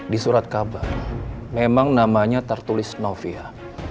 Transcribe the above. di surat kabar memang namanya tertulis novia